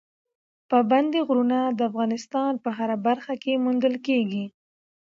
پابندی غرونه د افغانستان په هره برخه کې موندل کېږي.